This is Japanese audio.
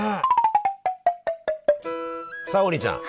さあ王林ちゃん